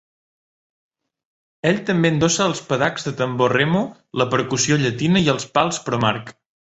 Ell també endossa els pedacs de tambor Remo, la percussió llatina i els pals Pro-Mark